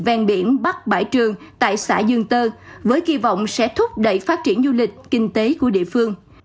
ven biển bắc bãi trường tại xã dương tơ với kỳ vọng sẽ thúc đẩy phát triển du lịch kinh tế của địa phương